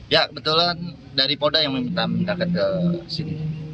ya kebetulan dari polda yang meminta meningkatkan ke sini